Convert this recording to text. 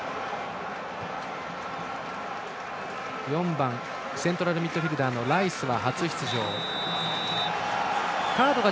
４番、セントラルミッドフィールダーのライスは初出場。